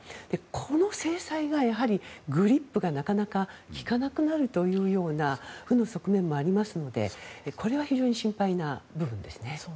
この制裁がやはりグリップがなかなか利かなくなるというような負の側面もありますのでこれは非常に心配な部分ですね。